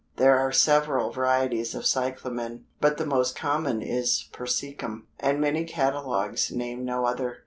There are several varieties of Cyclamen, but the most common is persicum, and many catalogues name no other.